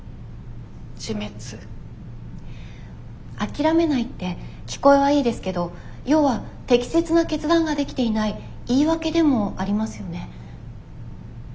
諦めないって聞こえはいいですけど要は適切な決断ができていない言い訳でもありますよね。